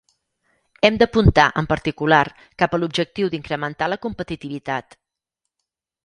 Hem d'apuntar, en particular, cap a l'objectiu d'incrementar la competitivitat